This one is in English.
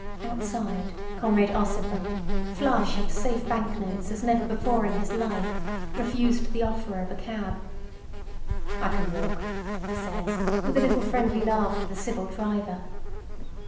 Outside, Comrade Ossipon, flush of safe banknotes as never before in his life, refused the offer of a cab. "I can walk," he said, with a little friendly laugh to the civil driver.